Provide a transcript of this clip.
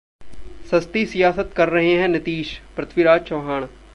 सस्ती सियासत कर रहें हैं नीतीश: पृथ्वीराज चव्हाण